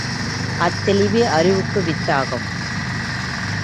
அத் தெளிவே அறிவுக்கு வித்தாகும்.